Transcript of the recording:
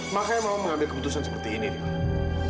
makanya mama mengambil keputusan seperti ini lir